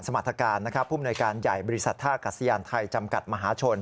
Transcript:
สมรรถการณ์พุ่มหน่วยการใหญ่บริษัทท่ากัศยานไทยจำกัดมหาชน